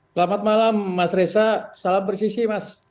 selamat malam mas reza salam bersisi mas